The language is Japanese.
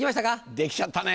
できちゃったね。